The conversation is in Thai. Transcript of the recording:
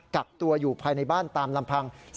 กักตัวอยู่ภายในบ้านตามลำพัง